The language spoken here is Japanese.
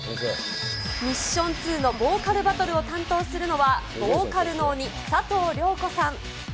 ミッション２のボーカルバトルを担当するのは、ボーカルの鬼、佐藤涼子さん。